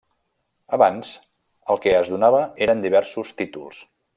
Abans, el que es donava eren diversos títols.